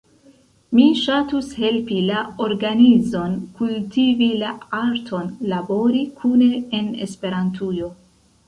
Mi ŝatus helpi la organizon kultivi la arton labori kune en Esperantujo.